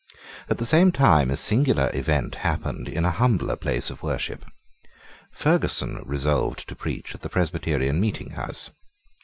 At the same time a singular event happened in a humbler place of worship. Ferguson resolved to preach at the Presbyterian meeting house.